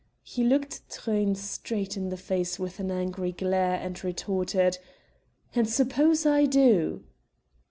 He looked Truyn straight in the face with an angry glare and retorted: "And suppose I do?"